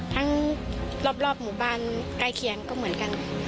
รอบหมู่บ้านใกล้เคียงก็เหมือนกัน